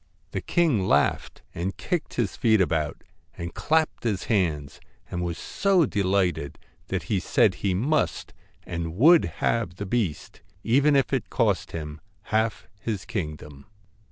The king laughed and kicked his feet about, and clapped his hands, and was so delighted that he said he must and would have the beast, even if it cost him half his kingdom.